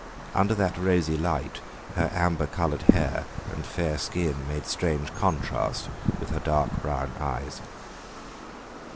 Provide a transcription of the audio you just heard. Under that rosy light her amber coloured hair and fair skin made strange contrast with her dark brown eyes.